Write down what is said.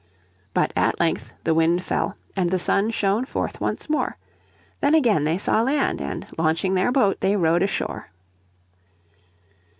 But at length the wind fell, and the sun shone forth once more. Then again they saw land, and launching their boat they rowed ashore.